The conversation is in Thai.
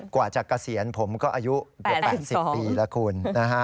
กว่าจะเกษียณผมก็อายุ๘๒ปีละคุณ